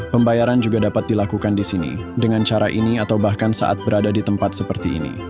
pembayaran juga dapat dilakukan di sini dengan cara ini atau bahkan saat berada di tempat seperti ini